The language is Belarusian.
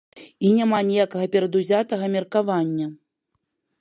І няма ніякага перадузятага меркавання.